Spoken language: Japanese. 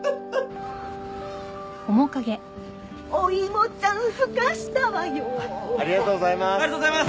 お芋ちゃんふかしたわよ。ありがとうございます。